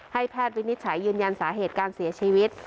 แพทย์วินิจฉัยยืนยันสาเหตุการเสียชีวิต